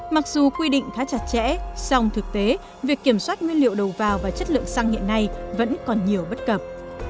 mặc dù quy định khá chặt chẽ song thực tế việc kiểm soát nguyên liệu đầu vào và chất lượng xăng hiện nay vẫn còn nhiều bất cập